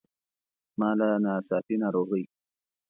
زما له ناڅاپي ناروغۍ.